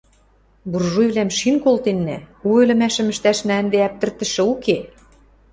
«Буржуйвлӓм шин колтеннӓ, у ӹлӹмӓшӹм ӹштӓшнӓ ӹнде ӓптӹртӹшӹ уке